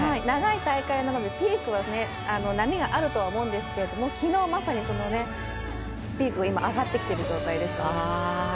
長い大会なのでピークは波があると思うんですけどきのう、まさにそのピークが上がってきている状態です。